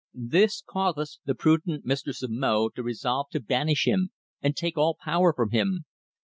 This causeth the prudent Mistress of Mo to resolve to banish him and take all power from him.